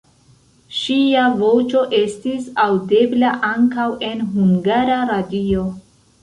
Ŝia voĉo estis aŭdebla ankaŭ en Hungara Radio.